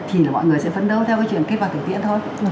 thì là mọi người sẽ phấn đấu theo cái chuyện kết quả thực tiễn thôi